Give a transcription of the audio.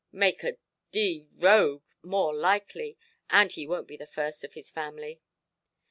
"Make a d—d rogue more likely. And he wonʼt be the first of his family".